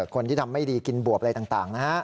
คนที่ทำไม่ดีกินบวบอะไรต่างนะฮะ